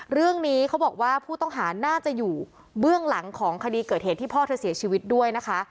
เรื่องนี้เขาบอกว่าผู้ต้องหาน่าจะอยู่เบื้องหลังของคดีเกิดเหตุที่พ่อเธอเสียชีวิตด้วยนะคะ